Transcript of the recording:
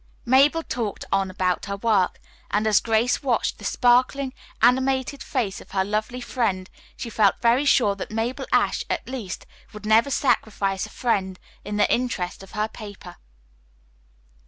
Mabel talked on about her work, and as Grace watched the sparkling, animated face of her lovely friend she felt very sure that Mabel Ashe, at least, would never sacrifice a friend in the interest of her paper.